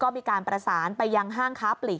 มีการประสานไปยังห้างค้าปลีก